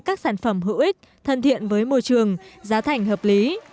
các sản phẩm hữu ích thân thiện với môi trường giá thành hợp lý